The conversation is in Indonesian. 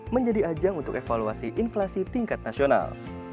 menjadi ajang untuk evaluasi inflasi tingkat nasional